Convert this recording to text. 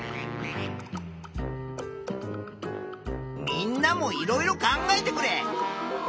みんなもいろいろ考えてくれ！